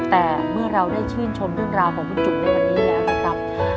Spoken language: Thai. แต่เมื่อเราได้ชื่นชมด้วยราวของคุณจุ่มในวันนี้นะครับ